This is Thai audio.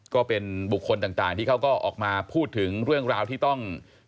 ก็เป็นบุคคลต่างที่เขาก็ออกมาพูดถึงเรื่องราวที่ต้อง